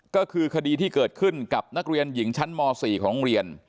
ก็คือคดีที่เกิดขึ้นกับนักเรียนหญิงชั้นม๔ของโรงเรียน